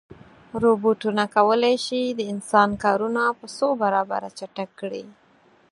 روبوټونه کولی شي د انسان کارونه په څو برابره چټک کړي.